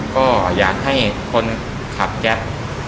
ก็อยากให้คนขับแก๊ป